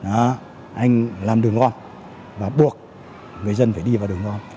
anh làm đường ngom và buộc người dân phải đi vào đường ngom